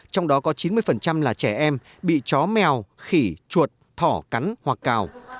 trong đó có chín mươi là trẻ em bị chó mèo khỉ chuột thỏ cắn hoặc cào